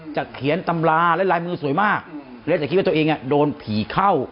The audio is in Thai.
จะเขียนตำราและลายมือสวยมากและจะคิดว่าตัวเองโดนผีเข้า